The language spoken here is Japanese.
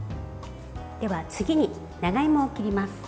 では、次に長芋を切ります。